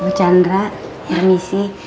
ibu chandra permisi